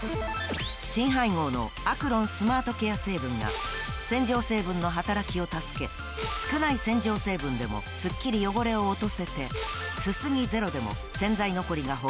新配合のアクロンスマートケア成分が洗浄成分の働きを助け少ない洗浄成分でもスッキリ汚れを落とせてすすぎ０でも洗剤残りがほとんどないんです